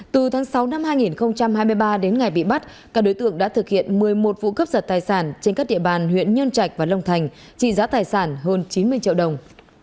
từ tháng sáu năm hai nghìn hai mươi ba đến ngày bị bắt các đối tượng đã thực hiện một mươi một vụ cướp giật tài sản trên các địa bàn huyện nhân trạch và long thành trị giá tài sản hơn chín mươi triệu đồng